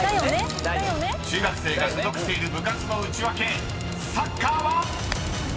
［中学生が所属している部活のウチワケサッカーは⁉］